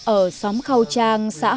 ở xóm khâu trang xã hà nội